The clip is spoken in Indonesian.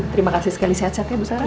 terima kasih sekali sehat sehat ya bu sarah